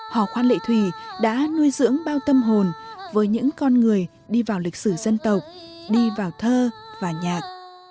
hò khoan lệ thủy đã nuôi dưỡng bao tâm hồn với những con người đi vào lịch sử dân tộc đi vào thơ và nhạc